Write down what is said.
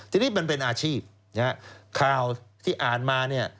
ทีนี้มันเป็นอาชีพนะฮะข่าวที่อ่านมาเนี่ย